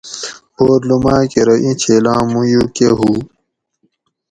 بور لومائ کہ ارو ایں چھیلاں مویو کہۤ ہوُ